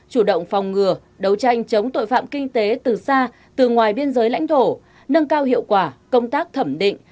chủ động phòng ngừa đấu tranh chống tội phạm kinh tế từ xa từ ngoài biên giới lãnh thổ nâng cao hiệu quả công tác thẩm định